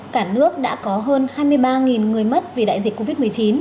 cả nước đã có hơn hai mươi ba người mất vì đại dịch covid một mươi chín